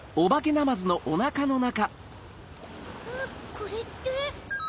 これって？